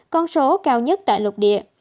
con số cao nhất tại lục địa